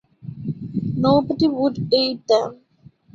Nobody would eat them.